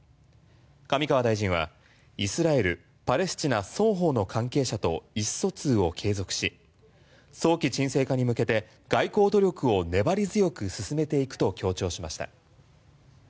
上川大臣はイスラエルの双方の関係者と意思疎通を継続し早期沈静化に向けて外交努力を粘り強く進めていくと強調しました。